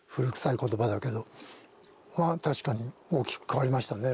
確かに大きく変わりましたね。